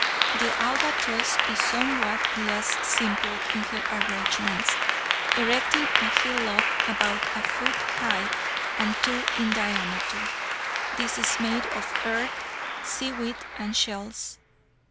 The albatross is somewhat less simple in her arrangements, erecting a hillock about a foot high and two in diameter. This is made of earth, seaweed, and shells.